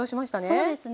そうですね。